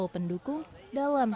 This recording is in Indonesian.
dan polres cianjur yang berpengalaman